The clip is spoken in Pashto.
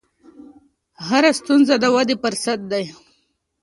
هره ستونزه د ودې فرصت دی.